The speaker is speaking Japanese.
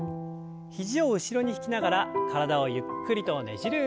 肘を後ろに引きながら体をゆっくりとねじる運動です。